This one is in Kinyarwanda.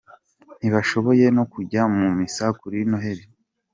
Ntibashoboye no kujya mu misa kuri Noheli.